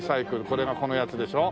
これがこのやつでしょ？